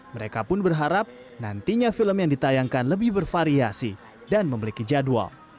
mereka pun berharap nantinya film yang ditayangkan lebih bervariasi dan memiliki jadwal